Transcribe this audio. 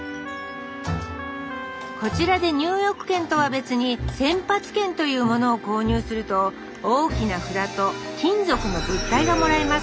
こちらで入浴券とは別に「洗髪券」というものを購入すると大きな札と金属の物体がもらえます。